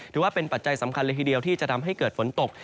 ถือว่าเป็นปัจจัยสำคัญละทีเดียวที่จะทำให้เกิดฝนตก